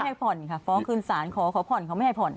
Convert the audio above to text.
ให้ผ่อนค่ะฟ้องคืนสารขอเขาผ่อนเขาไม่ให้ผ่อน